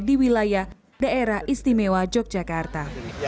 di wilayah daerah istimewa yogyakarta